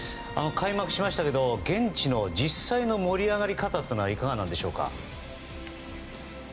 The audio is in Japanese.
開幕しましたが現地の実際の盛り上がり方はいかがなんでしょうか？